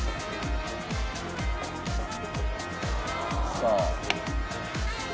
さあ。